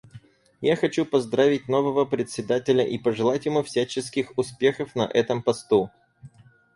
Я хочу поздравить нового Председателя и пожелать ему всяческих успехов на этом посту.